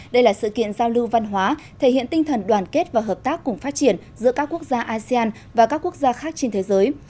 đây là sự kiện giao lưu văn hóa thể hiện tinh thần đoàn kết và hợp tác cùng phát triển giữa các quốc gia asean và các quốc gia khác trên thế giới